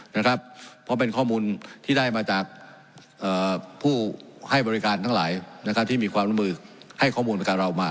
เพราะเป็นข้อมูลที่ได้มาจากผู้ให้บริการทั้งหลายนะครับที่มีความร่วมมือให้ข้อมูลบริการเรามา